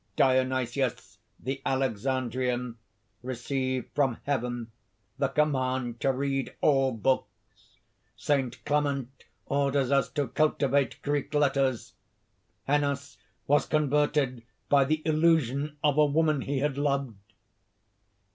Dionysius, the Alexandrian, received from heaven the command to read all books. Saint Clement orders us to cultivate Greek letters. Hennas was converted by the illusion of a woman he had loved...."